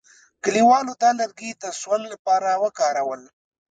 کلیوالو دا لرګي د سون لپاره وکارول.